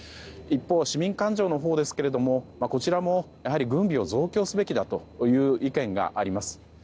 一方、市民感情のほうですがこちらも軍備を増強すべきだという意見があります。